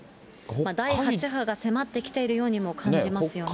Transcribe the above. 第８波が迫ってきているようにも感じますよね。